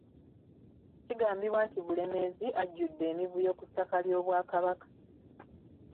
Kigambibwa nti Bulemeezi ajjudde emivuyo ku ttaka ly'Obwakabaka!